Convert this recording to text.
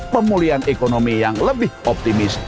pemulihan ekonomi yang lebih optimis